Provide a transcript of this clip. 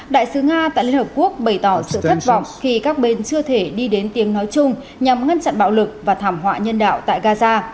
đại sứ nga tại liên hợp quốc bày tỏ sự thất vọng khi các bên chưa thể đi đến tiếng nói chung nhằm ngăn chặn bạo lực và thảm họa nhân đạo tại gaza